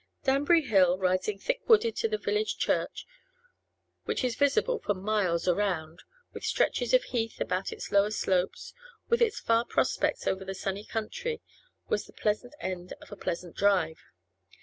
Danbury Hill, rising thick wooded to the village church, which is visible for miles around, with stretches of heath about its lower slopes, with its far prospects over the sunny country, was the pleasant end of a pleasant drive.